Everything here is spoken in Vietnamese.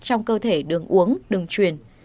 trong cơ thể đường uống đường truyền